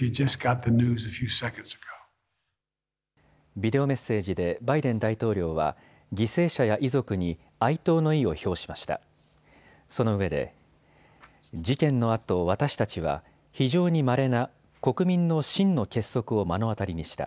ビデオメッセージでバイデン大統領は犠牲者や遺族に哀悼の意を表しました。